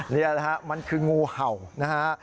นี่แหละฮะมันคืองูเห่านะฮะ